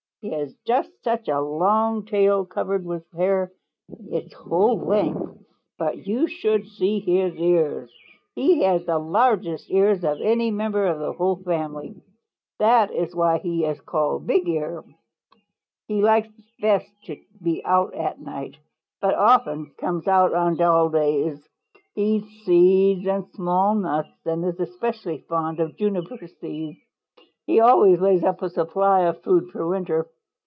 He has just such a long tail covered with hair its whole length. But you should see his ears. He has the largest ears of any member of the whole family. That is why he is called Bigear. He likes best to be out at night, but often comes out on dull days. He eats seeds and small nuts and is especially fond of juniper seeds. He always lays up a supply of food for winter.